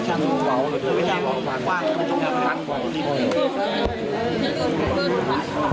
ตอนนี้ก็ไม่มีเวลาให้กลับมาเที่ยวกับเวลา